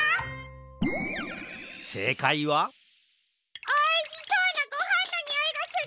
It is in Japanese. せいかいはおいしそうなごはんのにおいがする！